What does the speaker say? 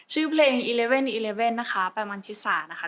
ชื่อเพลง๑๑๑๑นะคะแปมวันทฤษานะคะ